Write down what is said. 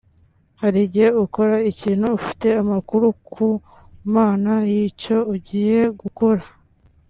hari igihe ukora ikintu ufite amakuru ku Mana y'icyo ugiye gukora